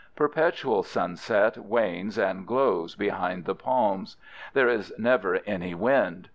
Perpetual sunset wanes and glows behind the palms. There is never any wind.